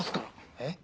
えっ？